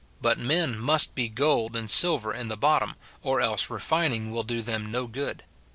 IV. 4 ; but men must be gold and silver in tbe bottom, or else refining will do them no good.